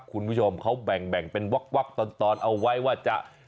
คุณผู้ชมเขาแบ่งเป็นวักตอนเอาไว้ว่าจะ